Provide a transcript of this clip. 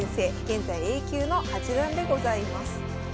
現在Ａ級の八段でございます。